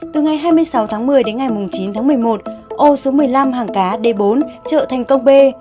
từ ngày hai mươi sáu tháng một mươi đến ngày chín tháng một mươi một ô số một mươi năm hàng cá d bốn chợ thành công b